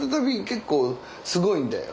結構すごいんだよ。